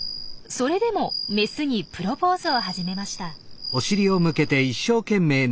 それでもメスにプロポーズを始めました。